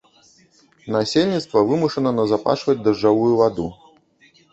Насельніцтва вымушана назапашваць дажджавую ваду.